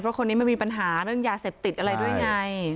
เพราะคนนี้มันมีปัญหาเรื่องยาเสพติดอะไรด้วยไง